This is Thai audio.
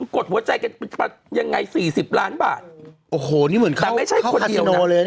กดหัวใจไปยังไง๔๐ล้านบาทโอ้โหนี่เหมือนเข้าคาซิโนเลยเนี่ย